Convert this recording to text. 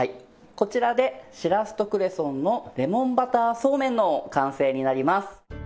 こちらでしらすとクレソンのレモンバターそうめんの完成になります。